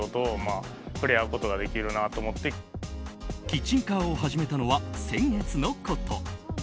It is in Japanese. キッチンカーを始めたのは先月のこと。